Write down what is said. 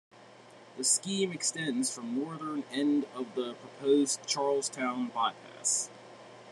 The scheme extends from northern end of the proposed Charlestown bypass.